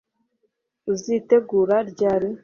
Uzitegura ryari